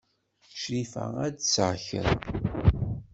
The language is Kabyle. Crifa ad d-tseɣ kra.